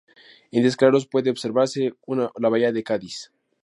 En días claros puede observarse la bahía de Cádiz.